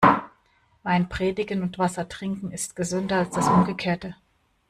Wein predigen und Wasser trinken ist gesünder als das Umgekehrte.